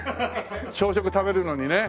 朝食食べるのにね。